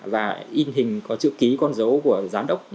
và in hình có chữ ký con dấu của giám đốc